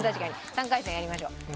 ３回戦やりましょう。